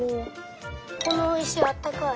このいしあったかい。